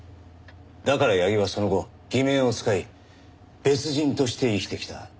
だから矢木はその後偽名を使い別人として生きてきた。